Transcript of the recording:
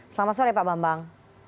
selamat sore pak bambang